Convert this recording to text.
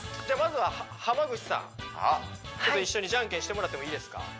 じゃあまずは浜口さんちょっと一緒にじゃんけんしてもらってもいいですか？